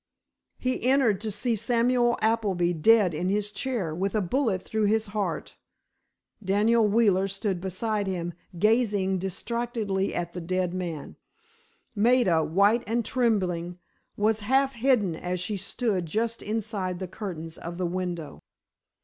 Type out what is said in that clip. He entered to see Samuel Appleby dead in his chair, with a bullet through his heart. Daniel Wheeler stood beside him, gazing distractedly at the dead man. Maida, white and trembling, was half hidden as she stood just inside the curtains of the window.